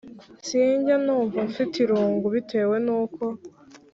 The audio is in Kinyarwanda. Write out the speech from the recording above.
Sinjya numva mfite irungu bitewe n uko